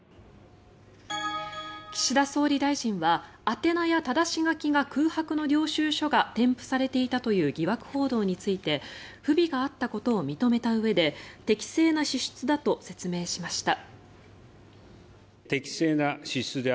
岸田総理大臣は宛名やただし書きが空白の領収書が添付されていたという疑惑報道について不備があったことを認めたうえで適正な支出だと説明しました。